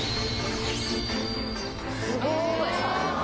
すごい！